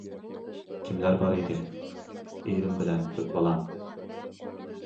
-كىملەر بار ئىدى؟ -ئېرىم بىلەن تۆت بالام.